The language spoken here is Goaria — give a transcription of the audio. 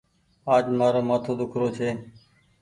آج مآرو مآٿو ۮيک رو ڇي۔